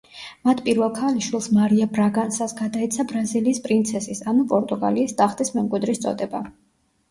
მათ პირველ ქალიშვილს, მარია ბრაგანსას გადაეცა ბრაზილიის პრინცესის, ანუ პორტუგალიის ტახტის მემკვიდრის წოდება.